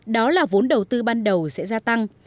đó là vốn đầu tư ban đầu sẽ gia tăng